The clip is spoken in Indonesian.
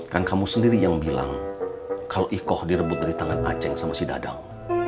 kan kamu sendiri yang bilang kalau ikoh direbut dari tangan aceh sama si dadang